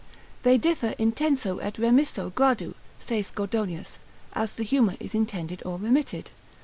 They differ intenso et remisso gradu, saith Gordonius, as the humour is intended or remitted.